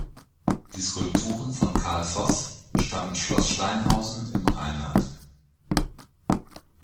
Die Skulpturen von Carl Voss stammen Schloss Steinhausen im Rheinland.